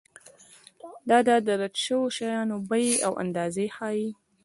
دا د درج شویو شیانو بیې او اندازې ښيي.